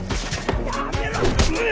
やめろ！